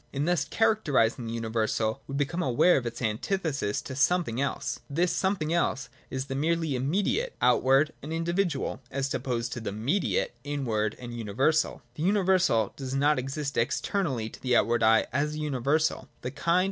In thus characterising the universal, we become aware of its antithesis to something else. This something else is the 2i a2.J THE UNIVERSAL AS ESSENCE OF THINGS. 43 merely immediate, outward and individual, as opposed to the mediate, inward and universal. The universal does not | exist externally to the outward eye as a universal. The kind